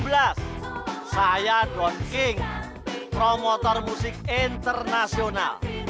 di pas sembilan belas saya don king promotor musik internasional